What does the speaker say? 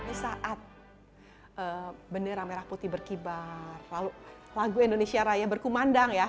di saat bendera merah putih berkibar lalu lagu indonesia raya berkumandang ya